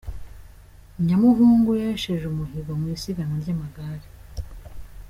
Nyamuhungu yesheje umuhigo mu isiganwa ry’amagare